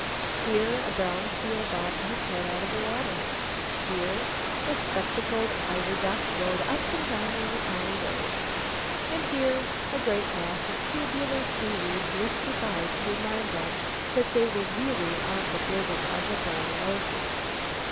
Here a brown seal bobbed his head out of the water; here a spectacled eiderduck rode up and down on the tiny waves, and here a great mass of tubular seaweed drifted by to remind them that they were really on the bosom of the briny ocean.